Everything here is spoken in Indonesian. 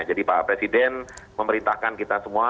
pak presiden memerintahkan kita semua